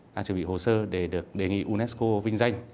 đã chuẩn bị hồ sơ để được đề nghị unesco vinh danh